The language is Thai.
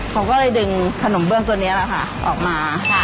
เขาก็เลยดึงขนมเบื้องตัวนี้แหละค่ะออกมา